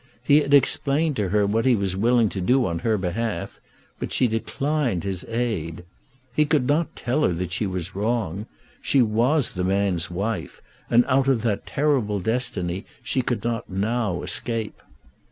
He had explained to her what he was willing to do on her behalf, but she declined his aid. He could not tell her that she was wrong. She was the man's wife, and out of that terrible destiny she could not now escape.